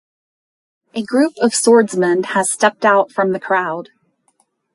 A group of swordsmen has stepped out from the crowd.